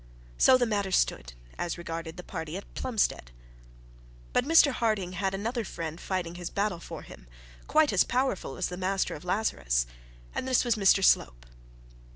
So the matter stood, as regarded the party at Plumstead. But Mr Harding had another friend fighting the battle for him, quite as powerful as the master of Lazarus, and this was Mr Slope.